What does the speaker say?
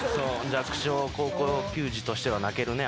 弱小高校球児としては泣けるね。